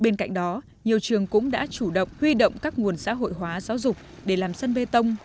nhiều trường cũng đã chủ động huy động các nguồn xã hội hóa giáo dục để làm sân bê tông